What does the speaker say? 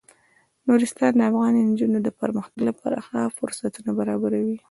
نورستان د افغان نجونو د پرمختګ لپاره ښه فرصتونه برابروي.